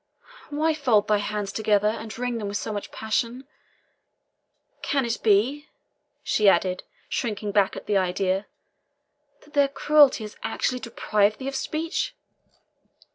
Why fold thy hands together, and wring them with so much passion? Can it be," she added, shrinking back at the idea, "that their cruelty has actually deprived thee of speech?